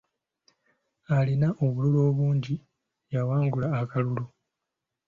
Alina obululu obungi y'awangula akalulu.